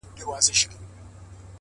دي روح کي اغښل سوی دومره-